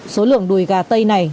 số lượng đùi gà tây này